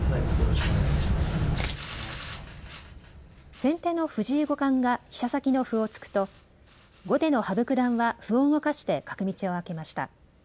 先手の藤井五冠が飛車先の歩を突くと後手の羽生九段は歩を動かして角道を開けました。